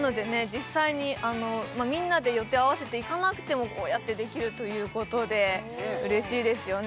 実際にみんなで予定を合わせて行かなくてもこうやってできるということで嬉しいですよね